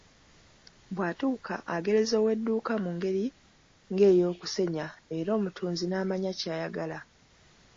Bw'atuuka, agereza owedduuka mu ngeri ng'eyokusenya era omutunzi n'amanya ky'ayagala.